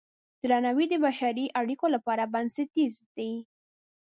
درناوی د بشري اړیکو لپاره بنسټیز دی.